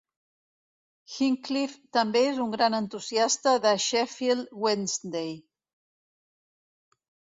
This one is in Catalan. Hinchcliffe també és un gran entusiasta de Sheffield Wednesday.